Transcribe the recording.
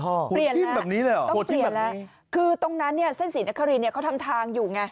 ต้องเปลี่ยนแล้วนะคะต้องเปลี่ยนแล้วคือตรงนั้นเส้นศรีนครินทร์นี่เขาทำทางอยู่ไง